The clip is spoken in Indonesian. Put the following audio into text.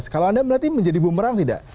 kalau anda berarti menjadi bumerang tidak